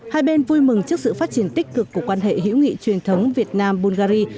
hai bên vui mừng trước sự phát triển tích cực của quan hệ hữu nghị truyền thống việt nam bulgari